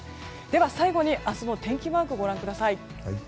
では最後に明日の天気マークご覧ください。